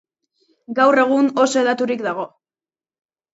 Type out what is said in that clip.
Gaur egun oso hedaturik dago.